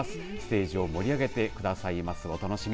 ステージを盛り上げてくださいます。